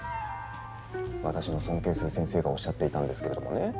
私の尊敬する先生がおっしゃっていたんですけれどもね